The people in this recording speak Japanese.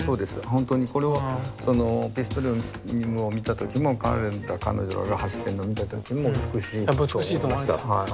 本当にピストリウスを見た時も彼ら彼女らが走ってるのを見た時も美しいと思いました。